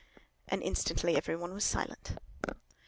and instantly every one was silent.